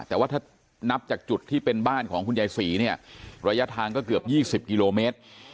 แต่ว่าถ้านับจากจุดที่เป็นบ้านของคุณยายศรีเนี่ยระยะทางก็เกือบ๒๐กิโลเมตร